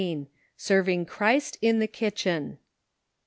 SERVING CHRIST IN THE KITCHEN.